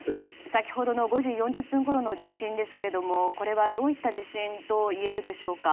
先ほどの５時４０分ごろの地震ですけどこれはどういった地震といえるでしょうか？